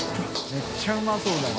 めっちゃうまそうだよな。